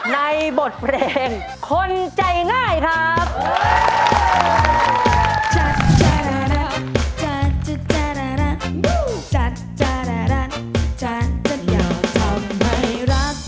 ในบทเพลงคนใจง่ายครับ